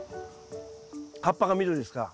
葉っぱが緑ですから。